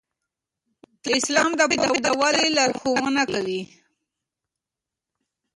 اسلام د پوهې د ودې لارښوونه کوي.